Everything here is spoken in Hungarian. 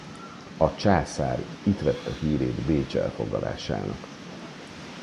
A császár itt vette hírét Bécs elfoglalásának.